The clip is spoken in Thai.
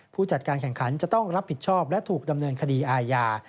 ผู้จัดการแข่งขันจะต้องรับผิดชอบและถูกดำเนินคดีอาญา